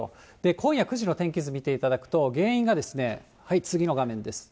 今夜９時の天気図見ていただくと、原因が次の画面です。